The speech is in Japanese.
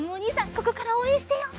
ここからおうえんしてよう。